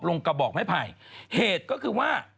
ลงกระบอกให้ภัยเหตุก็คือว่า